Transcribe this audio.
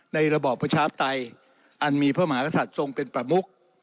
ระบอบประชาปไตยอันมีพระมหากษัตริย์ทรงเป็นประมุก